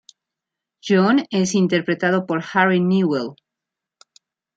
John es interpretado por Harry Newell.